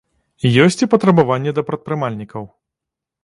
Ёсць і патрабаванні да прадпрымальнікаў.